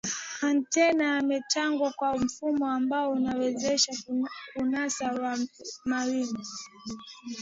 antena imetengwa kwa mfumo ambao unaiwezesha kunasa mawimbi